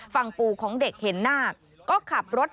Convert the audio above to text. ฝั่งปู่ของเด็กเห็นหน้าก็ขับรถ